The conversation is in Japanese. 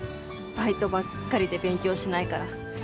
バイトばっかりで勉強しないから。